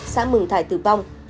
xã mường thải tử vong